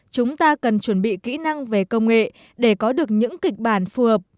chúng ta cần chuẩn bị kỹ năng về công nghệ để có được những kịch bản phù hợp